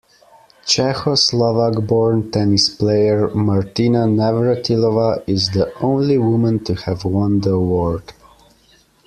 Czechoslovak-born tennis player Martina Navratilova is the only woman to have won the award.